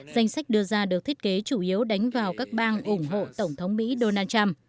danh sách đưa ra được thiết kế chủ yếu đánh vào các bang ủng hộ tổng thống mỹ donald trump